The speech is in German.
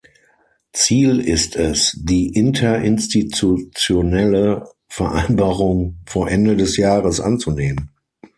Ziel ist es, die interinstitutionelle Vereinbarung vor Ende des Jahres anzunehmen.